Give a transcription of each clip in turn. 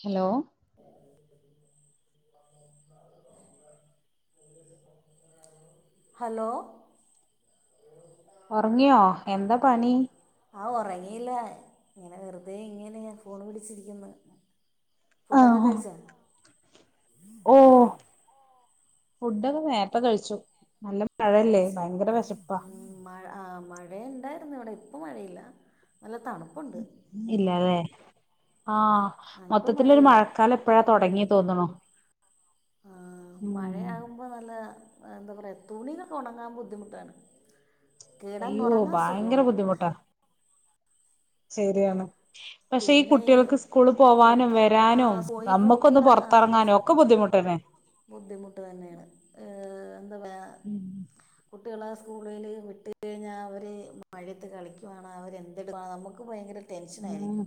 Hello hello ഒറങ്ങിയോ എന്താ പണി ആഹ് ഉറങ്ങീല്ല ഇങ്ങനെ വെറുതെ ഇങ്ങനെ ഫോൺ വിളിച്ചിരിക്കുന്നു ഫുഡൊക്കെ കഴിച്ചോ ഓഹ് ഫുഡൊക്കെ നേരത്തെ കഴിച്ചു നല്ല മഴയല്ലേ കഴിച്ചു ഭയങ്കര വെശപ്പാ ഉം മഴ ആ മഴയ ഇണ്ടായിരുന്നു ഇവിടെ ഇപ്പൊ മഴയില്ല നല്ല തണുപ്പുണ്ട് ഇല്ലാല്ലേ ആഹ് ആ ഇപ്പം മൊത്തത്തി ഒരു മഴയില്ല മഴക്കാലം ഇ പ്പഴാ തുടങ്ങി തോന്നുണു ആഹ് മഴയാകുമ്പോ നല്ല എന്താ പറയാ തുണികള് ഉണങ്ങാൻ ബുദ്ധിമുട്ടാണ് അയ്യോ കിടന്നുറങ്ങാൻ ഭയങ്കര സുഖമാണ് ബുദ്ധിമുട്ടാ ശരിയാണ് പക്ഷെ ഈ കുട്ടികൾക്ക് സ്കൂള് പോവാനും പുറത്ത് ആ വരാനും സോ- ഈ നമ്മുക്കൊന്ന് കുട്ടികൾ പൊറത്തിറങ്ങാനും ഒക്കെ ബുദ്ധിമുട്ട് [unintelligible] ബുദ്ധിമുട്ട് തന്നെയാണ് ഏ എന്താ പറയ ഉം കുട്ടികളെ സ്കൂളില് വിട്ട് കഴിഞ്ഞാൽ അവര് മഴയത്ത് കളിക്കുവാണോ അവരെന്തെടുക്ക നമുക്ക് ഭയങ്കര ടെൻഷൻ ഉം ആയിരിക്കും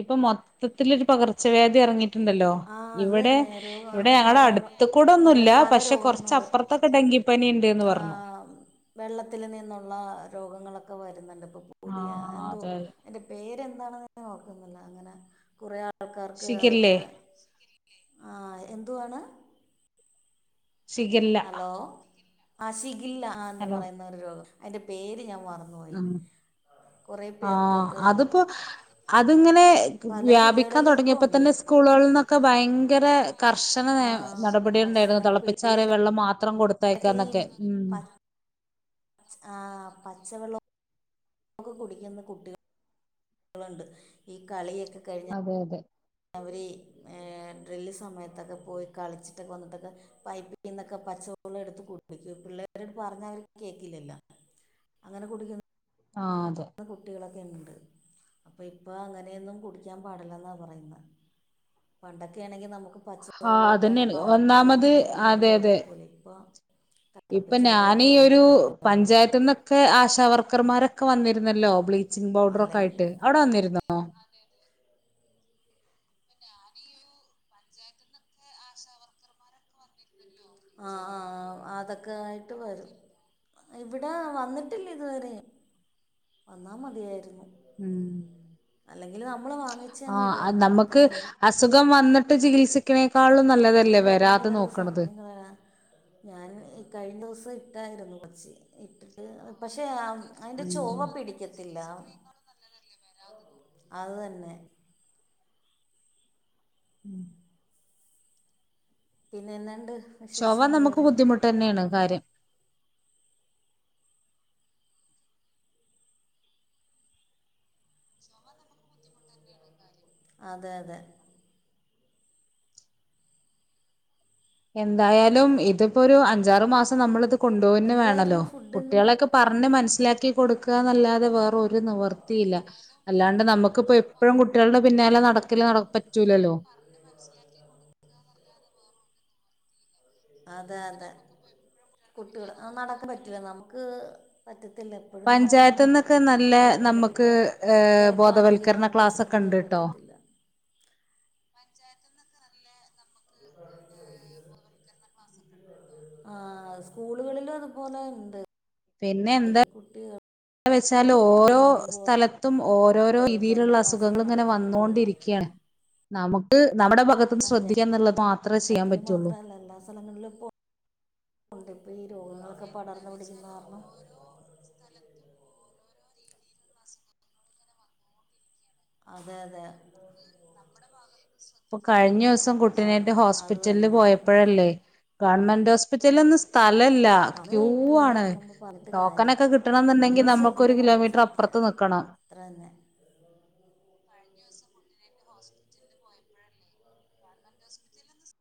ഇപ്പൊ മൊത്തത്തിലൊരു പകർച്ചവ്യാധി ഇറങ്ങിട്ട് ണ്ടല്ലോ ആ അത് ഇവിടെ തന്നെ രോഗ ഇവിടെ ഞങ്ങള മഴ അടുത്ത് കൂടെ ഒന്നുല്ല മഴക്കാല പക്ഷെ രോഗങ്ങൾ കുറച്ചപ്പർതൊക്കെ ഡെങ്കി പനി ണ്ട് ആ വെള്ളത്തിൽ നിന്നുള്ള രോഗങ്ങളൊക്കെ വരുന്നുണ്ട് പുതിയ ആഹ് എന്തോ അതെ അതെ അയിന്റെ പേരെന്താണെന്നോർക്കുന്നില്ല അങ്ങനെ കുറെ ആൾക്കാർക്ക് ഷിഗല്ലേ അതൊക്കെ ആഹ് എന്തുവാണ് സിഗല്ല അ ഷിഗല്ല എന്ന് പറയുന്നൊരു രോഗം അതിന്റെ പേര് ഞാൻ മറന്നു പോയി കുറെ ആ അതിപ്പോ അതിങ്ങനെ പല വ്യാപിക്കാൻ ജില്ലകളിലും ഇപ്പോൾ ഉണ്ട് തുടങ്ങിയപ്പോത്തന്നെ സ്കൂളുകളിൽന്നൊക്കെ ഭയങ്കര കർശന ആ നടപടി ഉണ്ടായിരുന്നു കർശനം തിളപ്പിച്ചാറിയ പിള്ളേരൊക്കെ വെള്ളം മാത്രം കൊടുത്തയക്കാന്നൊക്കെ ഉം ആഹ് പച്ച വെള്ളം ക്കെ കുടിക്കുന്ന കുട്ടികൾണ്ട് ഈ കളിയൊക്കെ കഴിഞ്ഞ അതെ അതെ [unintelligible] അവര് [inaudible] ഇൻട്രവൽ സമയത്തൊക്കെ പോയി കളിച്ചിട്ടൊക്കെ വന്നിട്ടൊക്കെ പൈപ്പിൽ നിന്നൊക്കെ പച്ചവെള്ളം എടുത്ത് കുടിക്കും പിള്ളേരോട് പറഞ്ഞ അവര് കേൾക്കില്ലല്ലോ അങ്ങനെ കുടിക്കും ആ അതെ [unintelligible] അപ്പൊ ഇപ്പ അങ്ങനെയൊന്നും കുടിക്കാൻ പാടില്ലെന്നാ പറയുന്നത് പണ്ടൊക്കെ ആണെങ്കി നമുക്ക് ആഹ് പച്ചവെള്ളൊക്കെ അതന്നെയാണ് [unintelligible] ഒന്നാമത് കുടിക്കണന് ഒരു അതെ അതെ കൊഴപ്പൊല്ലെനി ഇപ്പൊ ഇപ്പൊ ഞാനീയൊരു കുടിക്കാവുള്ളൂ പഞ്ചായത്ത്ന്നൊക്കെ ആശാവർക്കർമാരൊക്കെ വന്ന രുന്നല്ലോ ബ്ലീച്ചിംഗ് പൗഡർ ഒക്കെ അല്ലെങ്കിൽ ആയിട്ട് അവിടെ വന്നിരുന്നോ ആ ആഹ അതൊക്കെ ആയിട്ട് വരും ഇവിടെ വന്നിട്ടില്ല ഇതുവരെയും വന്നാ മതിയായിരുന്നു അല്ലെങ്കില് നമ്മള് ആ നമ്മക്ക് അസുഖം വന്നിട്ട് ചികിത്സിക്കണേ അവരെ നോക്കി നിന്ന് വെറ്തെ സമയം കളയാൻ ഞാൻ [unintelligible] കഴിഞ്ഞ ദിവസം ഇട്ടായിരുന്നു കൊറച്ച് ഇട്ടിട്ട് പക്ഷെ [unintelligible] അയിന്റെ ഉം ചൊവ പിടിക്കത്തില്ല [inaudible] അത് തന്നെ ഉം പിന്നെ എന്നാണ്ട് ചൊവ വിശേഷം നമുക്ക് വേറെ ബുദ്ധിമുട്ട് തന്നെയാണ് കാര്യം അതെ അതെ എന്തായാലും ഇതിപ്പോ ഒരു അഞ്ചാറ് മാസം നമ്മളിത് കൊണ്ടോവന്നെ വേണല്ലോ എന്തായിരുന്നു ഫുഡിന്ന് കുട്ടികളെക്കെ പറഞ് മനസിലക കൊടുക്കന്നല്ലാതെ വേറൊരു നിവർത്തിയില്ല അല്ലാണ്ട് നമ്മക്കിപ്പോ എപ്പോഴും കുട്ടികളുടെ പിന്നാലെ നടക്കില്ല നട പറ്റൂലല്ലോ അതെ അതെ [inaudible] കുട്ടികൾ ആ നടക്കാൻ പറ്റില്ല നമുക്ക് പറ്റ പറ്റത്തില്ല എപ്പോഴും നടക്കാനൊന്നും പഞ്ചായത്ത് ന്നൊക്കെ പറ്റത്തില്ല നല്ല നമുക്ക് നമുക്ക് എന്തെങ്കിലുമൊക്കെ തിരക്കാണെങ്കിൽ ബോധവൽക്കരണ നമുക്ക് ക്ലാസ്സൊക്കെ ശ്രദ്ധിക്കാൻ ഉണ്ട് പറ്റ ട്ടോ പറ്റത്തില്ല പഞ്ചായത്ത്ന്നൊക്കെ നല്ല നമ്മുക്ക് ഏഹ് [inaudible] [inaudible] ആ സ്കൂളുകളിലും അതുപോലെ ഇണ്ട് പിന്നെ എന്താ വെച്ചാല് ഓരോ വേണ്ടി സ്ഥലത്തും ഓരോരോ ബോധവൽക്കരണ രീതിയിലുള്ള ക്ലാസ്സൊക്കെ അസുഖങ്ങളിങ്ങനെ നടത്തുന്നുണ്ട് വന്നോണ്ടിരിക്കയാണ് നമുക്ക് നമ്മുടെ ഭാഗത്തന്ന് പഞ്ചായത്തിൽ ശ്രദ്ധിക്കാ എന്നുള്ളത് മാത്രമേ ചെയ്യാൻ പറ്റുള്ളു മാത്രമല്ല എല്ലാ [unintelligible] [inaudible] അപ്പൊ ഈ രോഗങ്ങളൊക്കെ പടർന്ന് പിടിച്ചെന്ന്റണം അതെ അതെ [inaudible] അപ്പൊ കഴിഞ്ഞ ദിവസം മാ കുട്ടിനായിട്ട് അത് ഹോസ്പിറ്റലില് തന്നെ പോയപ്പോഴല്ലേ ഗവൺമെന്റ് ഹോസ്പിറ്റലിൽന്ന് [unintelligible] [unintelligible] വന്ന് ക്യൂ കഴിഞ്ഞ് പിന്നെ ആണ് നമ്മൾ പറഞ്ഞിട്ട് ടോക്കന കാര്യല്ല ഒക്കെ കിട്ടണം എന്നുണ്ടെങ്കിൽ നമ്മള് നമുക്ക് ഒരു ശ്രദ്ധിക്കേണ്ടത് നമ്മൾ കിലോമീറ്റർ ശ്രദ്ധിക്കുക അപ്പുറത്ത് [unintelligible] അക്കണം അത്ര തന്നെ [inaudible] [inaudible] ഹോസ്പിറ്റല പോയപ്പോഴല്ലേ ഗവൺമെന്റ് ഹോസ്പിറ്റല [unintelligible]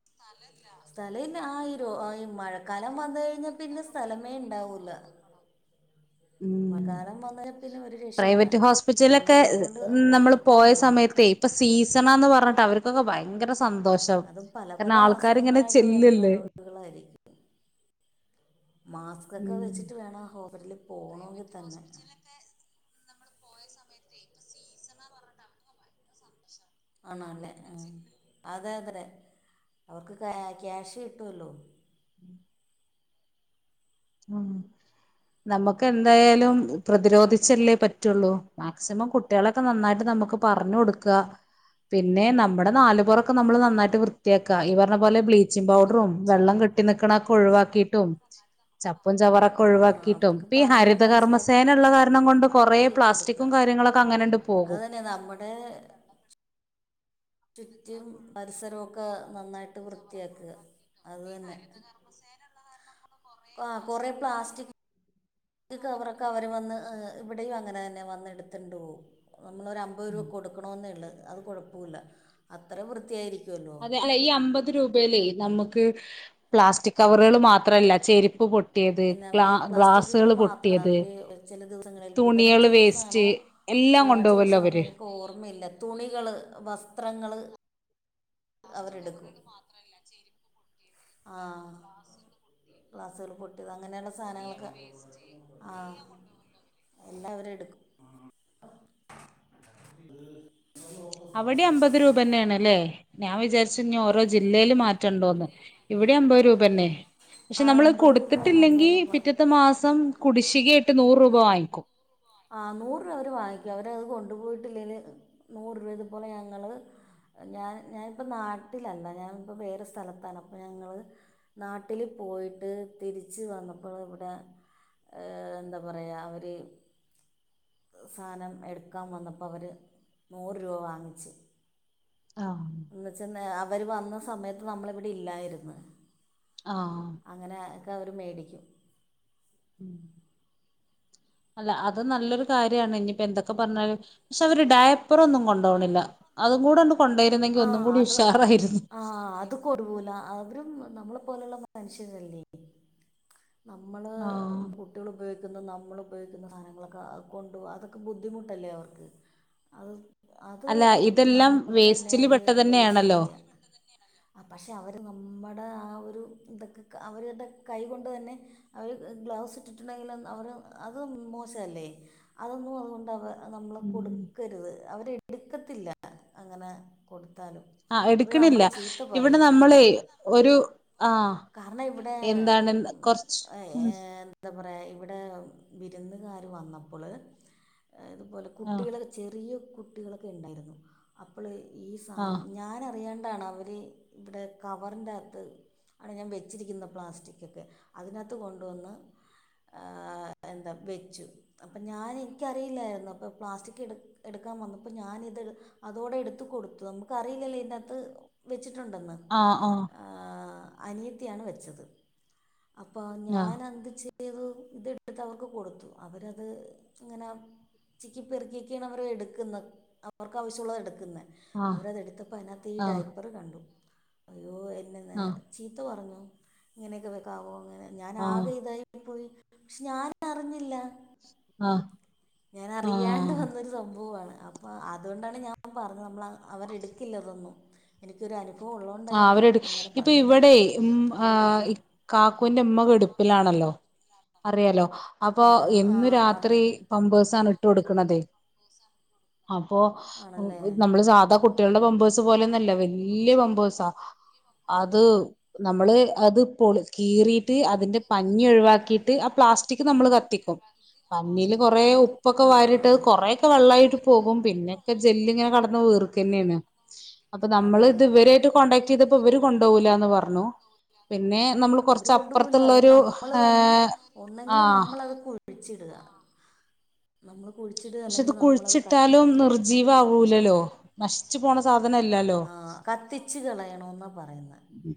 [inaudible] സ്ഥലല്ല ആയിരോ ആ മഴക്കാലം വന്ന കഴിഞ്ഞാൽ പിന്നെ സ്ഥലമേ ഇണ്ടാവൂല ഉം മക്കാലം വന്ന പ്രൈവറ്റ് ഹോസ്പിറ്റലൊക്കെ കൊണ്ട് നമ്മൾ ഹോസ്പിറ്റലിൽ പോയ നിറയും സമയത്ത ഇപ്പ സീസണാന്ന് പറഞ്ഞിട്ട് അവർ ക്കെ ഭയങ്കര സന്തോഷം അതും പല പല കാരണം ആൾക്കാരിങ്ങനെ അസുഖങ്ങളായിട്ട് വരുന്ന ചെല്ലല്ലേ രോഗികളായിരിക്കും മാസ്ക്കൊക്കെ ഉം വെച്ചിട്ട് വേണം ഹോസ്പിറ്റലിൽ പോന്നോക്കിൽ തന്നെ ആണല്ലേ അതത്രേ അവർക്ക് ക്യാഷ് കിട്ടുല്ലോ ആഹ നമുക്ക് എന്തായാലും പ്രതിരോധിച്ചല്ലേ പറ്റുള്ളൂ മാക്സിമം കുട്ടികളൊക്കെ നന്നായിട്ട് നമ്മ നമുക്ക് പറഞ്ഞ കൊടുക്ക പിന്നെ നമ്മുടെ നാലുപുറൊക്കെ നമ്മള് നന്നായിട്ട് വൃത്തിയാക്കുക ഈ പറഞ്ഞ പോലെ ബ്ലീച്ചിംഗ പൗഡറും വെള്ളം കെ കെട്ടി നിക്കണ ഒക്കെ ഒഴിവാക്കിട്ടും ചപ്പും ചവറൊക്കെ ആ ഒഴിവാക്കിയിട്ടും അവർക്ക് ഇപ്പ ഈ പറഞ്ഞ് മനസ്സിലാക്കി ഹരിതകർമ്മസേന ഉള്ള കാരണം കൊണ്ട് കൊറെ കൊടുക്കുക പ്ലാസ്റ്റിക്കും കാര്യങ്ങളൊക്കെ അങ്ങനെണ്ട് അത് പോകും തന്നെ നമ്മുടെ ചുറ്റിയും പരിസരംഒക്കെ നന്നായിട്ട് വൃത്തിയാക്കുക അത് തന്നെ ആ കൊറ പ്ലാസ്റ്റിക് ഈ കവറൊക്കെ അവർ വന്ന് ഇവിടെയും അങ്ങനെ തന്നെ വന്ന എടുത്തണ്ട് പോവും നമ്മള ഒരമ്പത് രൂപ കൊടുക്കണെന്ന ഉള്ളു അത് കുഴപ്പമില്ല അത്ര വൃത്തിയായിരിക്കും അതെ അല്ല ഈ അമ്പത് രൂപയിലേ നമുക്ക് പ്ലാസ്റ്റി കവറുകൾ മാത്രല്ല ചെരുപ്പ് പൊ പിന്നെ അവര് പ്ലാസ്റ്റിക്കുകള് മാത്രം അവര് ചില ദിവസങ്ങളിൽ ബുധനാഴ്ച തുണികള് വേസ്റ്റ് ദിവസമാണോ എല്ലാം ചൊവ്വാഴ്ച കൊണ്ടുപോകല്ലോ ദിവസമാ അവര് എനിക്ക് ഓർമ്മയില്ല തുണികള് വസ്ത്രങ്ങള് അവരെടുക്കും ആ ഗ്ലാസുകൾ പൊട്ടിയത് അങ്ങനെയുള്ള സാധനങ്ങളൊക്കെ ആഹ എല്ലാ അവര് എടുക്കും അവിടെ അമ്പത് രൂപ തന്നെയാണ്ല്ലേ ഞാൻ വിചാരിച്ചു ഓരോ ജില്ലയിൽ മാറ്റ ണ്ടോന്ന് ഇവിടെ അമ്പത് രൂപ തന്നെ പക്ഷെ ആ നമ്മള് അമ്പത് രൂപയാണ് അമ്പത് കൊടുത്തിട്ടില്ലെങ്കി രൂപ പിറ്റത്തെ മാസം കുടിശ്ശികായിട്ട് നൂറ് രൂപ വാങ്ങിക്കും ആ നൂറ് രൂപ അവര് വാങ്ങിക്കും അവര അത് കൊണ്ടുപോയിട്ടില്ലേല് നൂറ് രൂപ ഇതുപോലെ ഞങ്ങള് ഞാൻ ഞാനിപ്പ നാട്ടിലല്ല ഞാനിപ്പോ വേറെ സ്ഥലത്താണ് അപ്പൊ ഞങ്ങള് നാട്ടില് പോയിട്ട് തിരിച്ച് വന്നപ്പോൾ ഇവിടെ എന്താ പറയാ അവര് സാധനം എടുക്കാന് വന്നപ്പോൾ അവര് നൂറ് രൂപ വാങ്ങിച്ചു ആ. എന്നച്ചന്ന് അവര് വന്ന സമയത്ത് നമ്മളിവിടെ ഇല്ലായിരുന്നു. ആഹ് അങ്ങനെഒക്കെ അവര് മേടിക്കും. ഉം. അല്ല അത് നല്ലൊരു കാര്യാണ് ഇനിയിപ്പോ എന്തൊക്കെ പറഞ്ഞാലും പക്ഷെ അവര് ഡയപ്പറൊന്നും കൊണ്ടോവണില്യ. അത് കൂടൊന്ന്. ആ അത് ആ അത് കൊടുവൂല അവര നമ്മ. പോലുള്ള മനുഷ്യരല്ലേ അമ്മള് ആഹ് കുട്ട്യോള് ഉപയോഗിക്കുന്ന. മ്മള് ഉപയോഗിക്കുന്ന സാധനങ്ങളൊക്കെ അത് കൊണ്ടോവാ അതൊക്കെ ബുദ്ധിമുട്ടല്ലേ അവർക്ക് അത്. അല്ല ഇതെല്ലാം വേസ്റ്റില് പെ എന്തേലും ചെയ്യ പക്ഷെ അവര് ന മ്മടെ ആ ഒരു ഇതൊക്കെ അവരത് കൈകൊണ്ട് തന്നെ അവർ ഗ്ലൗസ് ഇട്ടിട്ടുണ്ടെങ്കിലും. അവർ അത് മോശമല്ലേ അതൊന്നും അതുകൊണ്ട് അവ നമ്മൾ ഉം കൊടുക്കരുത് അവരെടു ക്കത്തില്ല അങ്ങനെ. കൊടുത്താലും ആ അവർ എടുക്കണില്ല നമ്മളെ ചീത്ത ഇവിടെ പറയും നമ്മളെ ഒരു ആ. കാരണം ഇവിടെ എന്താണ് കൊറച്ച് ഏ ഉം എന്താ പറയാ ഇവിടെ വിരുന്നുകാര് വന്നപ്പോള്. ഇതുപോലെ ആ കുട്ടികൾ ചെറിയ കുട്ടികളൊക്കെ ഉണ്ടായിരുന്നു അപ്പൊള് ഈ ആ സാധനം ഞാന് അറിയാണ്ടാണ് അവര് ഇവിടെ കവറിന്റകത്ത്. ആണ് ഞാൻ വെച്ചിരിക്കുന്ന പ്ലാസ്റ്റിക്കൊക്കെ അതിനകത്ത് കൊണ്ടുവന്ന്. ആ ന്താ വെച്ചു അപ്പൊഞാന് എനിക്കറിയില്ലായിരുന്നു അപ്പൊ പ്ലാസ്റ്റിക്എടുക്കാൻ എടുക്കാൻ. കാൻ വന്നപ്പോ ഞാനിത് അതോടെ എടുത്തു കൊടുത്തു നമുക്കറിയില്ലലോ ഇതിന്റകത്ത് വെച്ചിട്ടു ണ്ടെന്ന് ആ അനിയത്തിയാണ് വെച്ചത്. അപ്പൊ ആ ഞാനെന്ത് ചെ യ്തു ഇതെടുത്ത് അവർക്ക് കൊടുത്തു അവരത് ഇങ്ങനെ. ചിക്കി പെറുക്കിയൊക്കെയാണ് അവർ എടുക്കുന്നത് അവർക്കാവശ്യമുള്ളതാണ് എടുക്കുന്നേ. ആ അവരതെടുത്തപ്പോ അതിനാത്ത് ഈ ആ ഡൈപ്പറ് കണ്ടു. അയ്യോ എന്നെ ആ ചീത്ത പറഞ്ഞു ഇങ്ങനെയൊക്കെ വെക്കാവോ അങ്ങനെ ഞാൻ ആ ആകെ ഇതായിപ്പോയി. പക്ഷെ ഞാനറിഞ്ഞില്ല. ആഹ്. ഞാൻ അറിയാണ്ട് വന്നൊരു സംഭവമാണ് അപ്പൊ അതുകൊണ്ടാണ് ഞാൻ പറഞ്ഞത് നമ്മള്. അവരെടുക്കില്ലതൊന്നും എനിക്കൊരു അനുഭവ ആ അവരെടു ഇപ്പൊ ഇവിടെയെ മ് അവരെടുക്കില്ല ആ് കാക്കുവിന്റെ ഉമ്മ കെടപ്പിലാണ്. ആണലോ അറിയാലോ അപ്പോ ആ ആ ആറ് എന്നുംരാത്രി പമ്പേഴ്സാണ് ഇട്ട് കൊടുക്കണതെ അപ്പോ ആണല്ലേ നമ്മള് സാധാ കുട്ട്യോളുടെ പാമ്പേഴ്സ്. പോലന്നുവല്ല വല്യാ പമ്പേഴ്സാ. അത് നമ്മള് അത് പൊളി കീറിട്ട് അതിന്റെ പഞ്ഞി ഒഴിവാക്കിട്ട് ആ പ്ലാ സ്റ്റിക്ക് നമ്മൾ കത്തിക്കും പന്നീൽ കുറേ ഉപ്പൊക്കെ ആ ആ വാരിട്ട് ആ കൊറെയൊക്കെ വെള്ളായിട്ട്. പോകും പിന്നൊക്കെ ജെല്ല് ഇങ്ങനെ കീടന്ന് വീർക്കന്നെയാണ് അപ്പൊ നമ്മൾ അതെ അതെ ഇതവരായിട്ട്. ചെയ്തപ്പോ ഇവര് കൊണ്ടോവില്ലാന്ന് പറഞ്ഞു. പിന്നെ നമ്മൾ അവർ കുറച്ച് കൊണ്ടുപോകില്ല അത് അപ്പുറത്തുള്ളൊരു നമ്മൾ തന്നെ ഏഹ് ആ ഒന്നെങ്കിൽ നമ്മളത് കുഴിച്ചിടുക നമ്മൾള് പക്ഷെ അത് കുഴിച്ചിട്ടാലും നിർജ്ജീവ ആവൂലാല്ലോ നശിച്ചു പോണ സാധനല്ലാല്ലോ. ആ കത്തിച്ച് കളയണോന്നാ പറയുന്നെ. ഉം.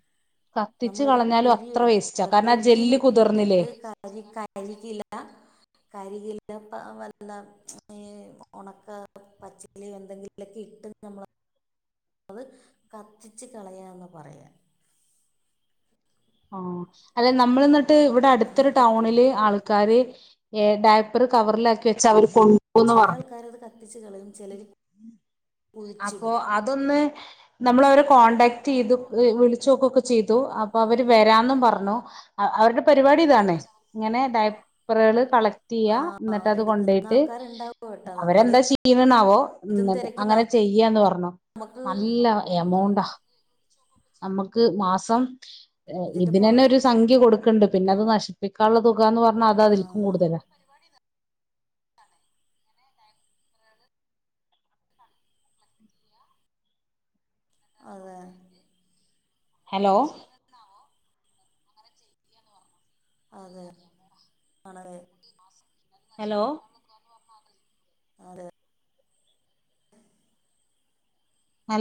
നമ്മളൊരു കുഴി എടുത്തിട്ട് കാരണം ആ ജെല്ല് കുതിർന്നില്ലേ കുഴിയിലിട്ടിട്ട് കരി കരിയില കരികില വല്ല ഈ ഉണക്ക പച്ചിലിയോ എന്തെങ്കിലൊക്കെ ഇട്ട് നമ്മള് അത് കത്തിച്ച കളയാന്ന് പറയാ. ഓ അല്ലെ നമ്മൾ എന്നിട്ട് ഇവിടെ അടുത്തൊരു അങ്ങനെ ടൗണില് പറ്റുള്ളൂ ആൾക്കാര് ഏ ഡയപ്പർ കവറിലാക്കി വെച്ച് അവര് കൊണ്ടുപോകുന്ന് ചില പറഞ്ഞു ആൾക്കാരത് കത്തിച്ചു കളയും ചിലര് അപ്പൊ അതൊന്ന് നമ്മള് അവരെ കോണ്ടാക്ട് ചെയ്തു വിളിച്ചു നോക്കൊക്കെ ചെയ്തു അപ്പൊ അവര് വരാന്നും പറഞ്ഞു അവരുടെ പരിപാടി ഇതാണ് ഇങ്ങനെ ഡയപ്പറുകൾ കള ക്ട് ചെയ്യാ ആ എന്നിട്ട് അത് എടുക്കുന്ന കൊണ്ടോയിട്ട് ആൾക്കാരുണ്ടാവും കേട്ടോ നമ്മൾ അവരെന്താ ചെയീണാവോ ഇതും എന്നിട്ട് തിരക്കി അങ്ങനെ ചെയ്യാന്ന് പറഞ്ഞു നമുക്ക് നല്ല എമൗണ്ടാ നമ്മുക്ക് മാസം ഇതിന്റെ പുറ ഇതിനന്നെ ഒരു സംഖ്യ കൊടുക്കണ്ട് പിന്നെ അത് നശിപ്പിക്കാനുള്ളതും ന്ന് പറഞ്ഞാ അത് ആ അതിൽ കൂടുതലാ അതെ ഹലോ അതെ ആണെലെ എം ഹലോ അതെ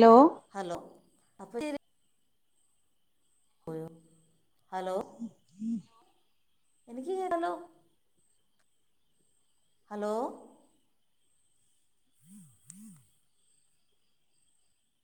ഹലോ ഹലോ അപ്പ ഹലോ എനിക്ക് കേക്കാലോ ഹലോ